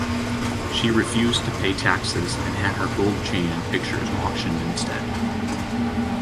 She refused to pay taxes and had her gold chain and pictures auctioned instead.